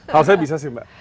harusnya bisa sih mbak